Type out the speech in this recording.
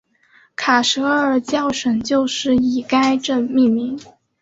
卡舍尔教省就是以该镇命名。